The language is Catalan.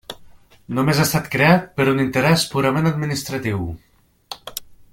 Només ha estat creat per un interès purament administratiu.